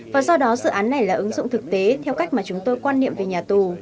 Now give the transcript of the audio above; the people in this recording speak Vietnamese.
và do đó dự án này là ứng dụng thực tế theo cách mà chúng tôi quan niệm về nhà tù